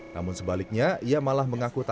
namun sebaliknya ia malah mengaku